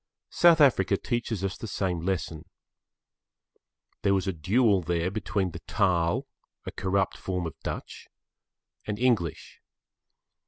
South Africa teaches us the same lesson. There was a duel there between the Taal, a corrupt form of Dutch, and English.